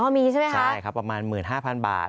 มีใช่ไหมคะใช่ครับประมาณ๑๕๐๐๐บาท